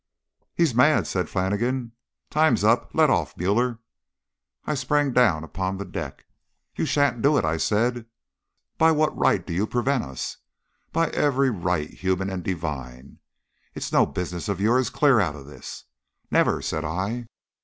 "He's mad!" said Flannigan. "Time's up. Let it off, Müller." I sprang down upon the deck. "You shan't do it!" I said. "By what right do you prevent us?" "By every right, human and divine." "It's no business of yours. Clear out of this." "Never!" said I.